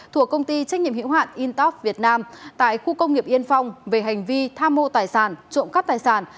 thuộc công ty trách nhiệm hữu hạn intop việt nam tại khu công nghiệp yên phong về hành vi tham mô tài sản trộm cắt tài sản